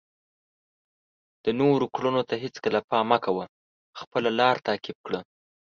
د نورو کړنو ته هیڅکله پام مه کوه، خپله لاره تعقیب کړه.